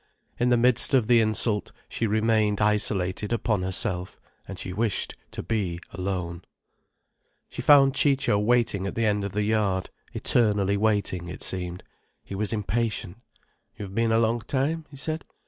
In the midst of the insult she remained isolated upon herself, and she wished to be alone. She found Ciccio waiting at the end of the yard: eternally waiting, it seemed. He was impatient. "You've been a long time," he said.